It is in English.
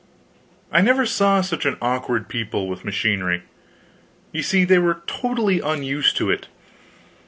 I never saw such an awkward people, with machinery; you see, they were totally unused to it.